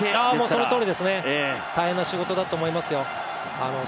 そのとおりですね大変な仕事だと思いますよ。